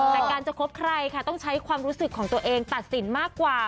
แต่การจะคบใครค่ะต้องใช้ความรู้สึกของตัวเองตัดสินมากกว่า